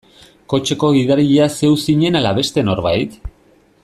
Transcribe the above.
Kotxeko gidaria zeu zinen ala beste norbait?